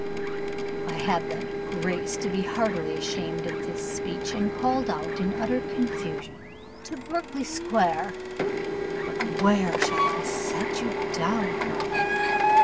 I had the grace to be heartily ashamed of this speech, and called out, in utter confusion, 'To Berkley square. But where shall I set you down, colonel?